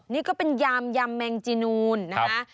นี่ก็เป็นยำแมงจินูนนะฮะ